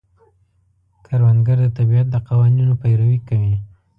کروندګر د طبیعت د قوانینو پیروي کوي